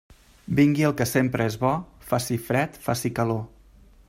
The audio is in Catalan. Vingui el que sempre és bo, faci fred, faci calor.